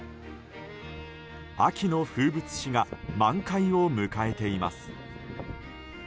秋の風物詩が満開を迎えています。